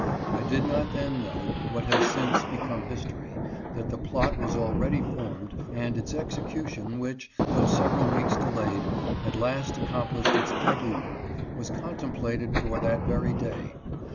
I did not then know, what has since become history, that the plot was already formed and its execution which, though several weeks delayed, at last accomplished its deadly work was contemplated for that very day.